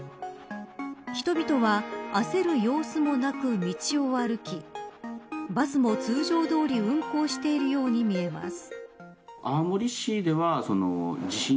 人々は焦る様子もなく道を歩きバスも通常どおり運行しているように見えます。